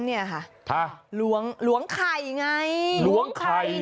ล้วงไข่ไงล้วงไข่ในไข่ล้วงไข่